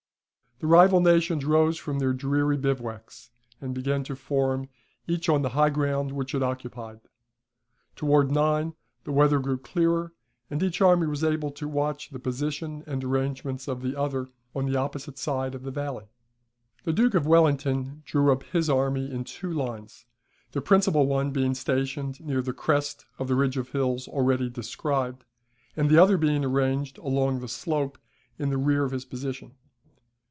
The rival nations rose from their dreary bivouacs, and began to form, each on the high ground which it occupied. Towards nine the weather grew clearer, and each army was able to watch the position and arrangements of the other on the opposite side of the valley. The Duke of Wellington drew up his army in two lines; the principal one being stationed near the crest of the ridge of hills already described, and the other being arranged along the slope in the rear of his position.